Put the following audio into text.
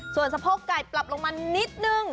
ส่วนสะโพกไก่ปรับลงมานิดนึง